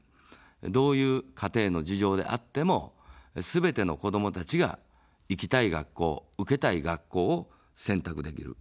どういう家庭の事情であっても、すべての子どもたちが行きたい学校、受けたい学校を選択できる。